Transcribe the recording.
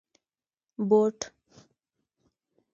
👞 بوټ